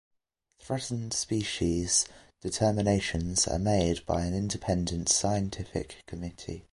Threatened species determinations are made by an Independent Scientific Committee.